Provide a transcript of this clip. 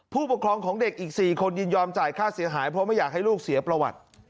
ผู้ปกครองของเด็กอีก๔คนยินยอมจ่ายค่าเสียหายเพราะไม่อยากให้ลูกเสียประวัติ